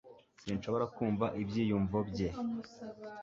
Sinshobora kumva ibyiyumvo bye